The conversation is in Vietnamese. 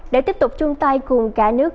để tiếp tục chung tay cùng cả nước